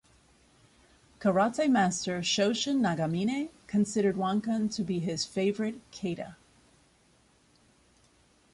Karate master Shoshin Nagamine considered "wankan" to be his favorite kata.